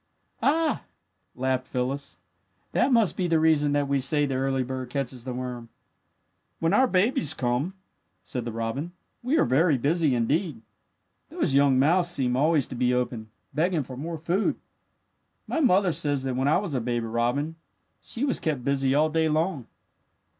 "Ah," laughed Phyllis, "that must be the reason that we say that the early bird catches the worm." "When our babies come," said the robin, "we are very busy, indeed. Those young mouths seem always to be open, begging for more food. "My mother says that when I was a baby robin she was kept busy all day long.